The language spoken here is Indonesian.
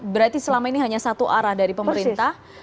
berarti selama ini hanya satu arah dari pemerintah